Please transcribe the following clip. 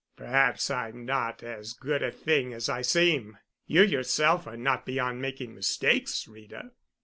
"Perhaps I'm not as good a thing as I seem. You yourself are not beyond making mistakes, Rita."